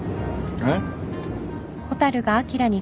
えっ？